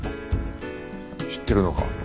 知ってるのか？